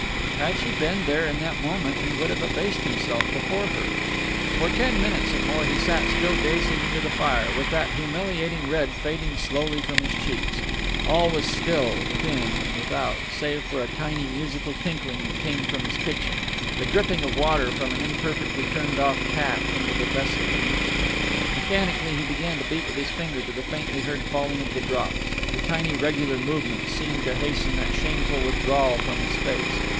Had she been there in that moment he would have abased himself before her. For ten minutes and more he sat, still gazing into the fire, with that humiliating red fading slowly from his cheeks. All was still within and without, save for a tiny musical tinkling that came from his kitchen the dripping of water from an imperfectly turned off tap into the vessel beneath it. Mechanically he began to beat with his finger to the faintly heard falling of the drops; the tiny regular movement seemed to hasten that shameful withdrawal from his face.